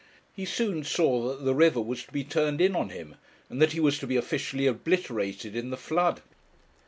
He soon saw that the river was to be turned in on him, and that he was to be officially obliterated in the flood.